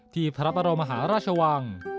ที่พระบรมมหาราชวัง